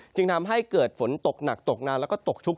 จึงทำให้เกิดฝนตกหนักตกนานแล้วก็ตกชุก